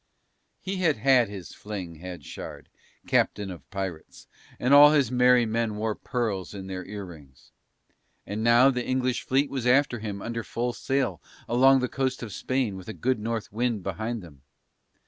He had had his fling, had Shard, captain of pirates, and all his merry men wore pearls in their ear rings; and now the English fleet was after him under full sail along the coast of Spain with a good North wind behind them.